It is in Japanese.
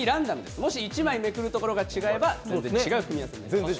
もし１枚めくるところが違えば全然違う組み合わせになります。